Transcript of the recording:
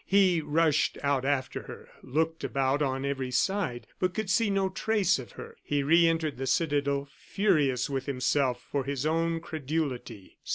He rushed out after her, looked about on every side, but could see no trace of her. He re entered the citadel, furious with himself for his own credulity.